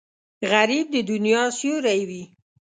غریب د دنیا سیوری وي